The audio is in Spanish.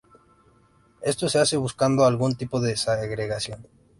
Esto se hace buscando algún tipo de segregación.